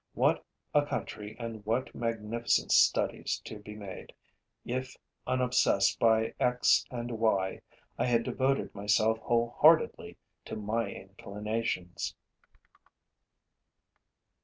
What a country and what magnificent studies to be made, if, unobsessed by x and y, I had devoted myself wholeheartedly to my inclinations!